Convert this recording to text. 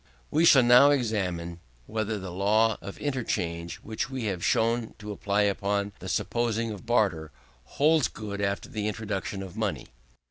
2. We shall now examine whether the same law of interchange, which we have shown to apply upon the supposition of barter, holds good after the introduction of money.